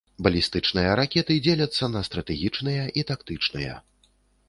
Балістычныя ракеты дзеляцца на стратэгічныя і тактычныя.